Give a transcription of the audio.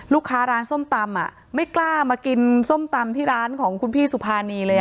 ร้านส้มตำไม่กล้ามากินส้มตำที่ร้านของคุณพี่สุภานีเลย